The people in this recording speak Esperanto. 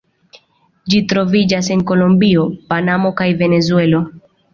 Ĝi troviĝas en Kolombio, Panamo kaj Venezuelo.